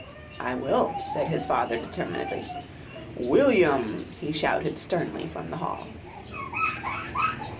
"I will," said his father determinedly. "William!" he shouted sternly from the hall.